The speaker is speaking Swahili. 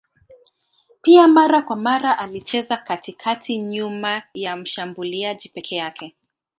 Pia mara kwa mara alicheza katikati nyuma ya mshambuliaji peke yake.